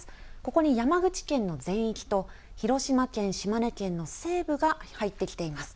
ここに山口県の全域と広島県、島根県の西部が入ってきています。